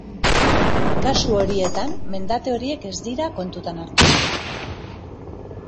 Kasu horietan, mendate horiek ez dira kontuan hartuko.